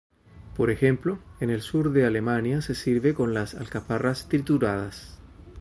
Por ejemplo, en el sur de Alemania se sirve con las alcaparras trituradas.